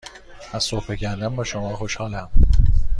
از صحبت کردن با شما خوشحالم.